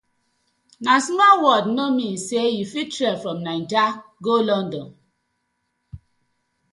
Na small world no mean say you fit trek from Naija go London: